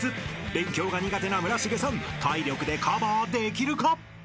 ［勉強が苦手な村重さん体力でカバーできるか？］